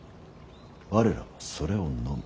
我らはそれをのむ。